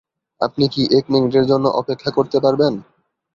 আপনি কি এক মিনিটের জন্য অপেক্ষা করতে পারবেন?